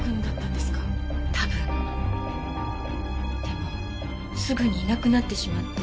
でもすぐにいなくなってしまって。